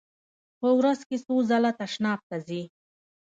په ورځ کې څو ځله تشناب ته ځئ؟